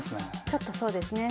ちょっとそうですね。